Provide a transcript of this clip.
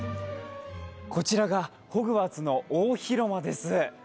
こちらがホグワーツの大広間です。